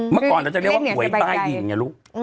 เมื่อก่อนเราจะเรียกว่าหวยใต้ดินไงลูก